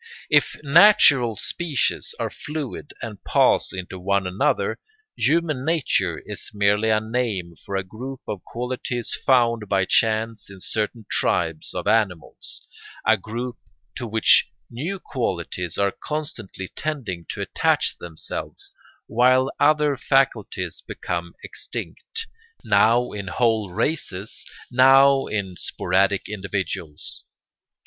If natural species are fluid and pass into one another, human nature is merely a name for a group of qualities found by chance in certain tribes of animals, a group to which new qualities are constantly tending to attach themselves while other faculties become extinct, now in whole races, now in sporadic individuals.